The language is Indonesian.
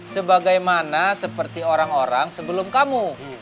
sebagaimana seperti orang orang sebelum kamu